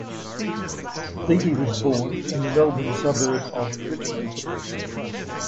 Beattie was born in the Melbourne suburb of Richmond.